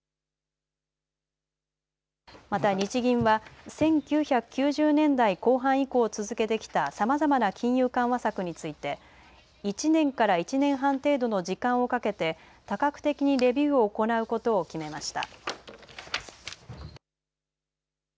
また日銀は１９９０年代後半以降続けてきたさまざまな金融緩和策について１年から１年半程度の時間をかけて多角的にレビューを行うことを決めました。